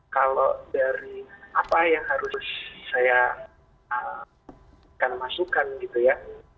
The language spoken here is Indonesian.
kalau dari apa yang harus saya masukkan gitu ya